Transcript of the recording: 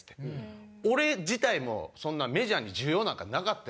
「俺自体もそんなメジャーに需要なんかなかったよ」。